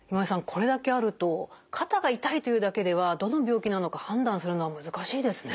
これだけあると肩が痛いというだけではどの病気なのか判断するのは難しいですね。